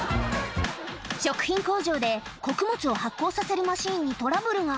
食品工場で、穀物を発酵させるマシンにトラブルが。